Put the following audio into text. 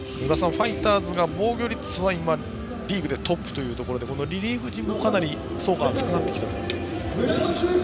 ファイターズが防御率はリーグでトップというところでリリーフ陣もかなり層が厚くなってきたといえるでしょうね。